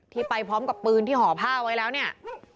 ไปพร้อมกับปืนที่ห่อผ้าไว้แล้วเนี่ย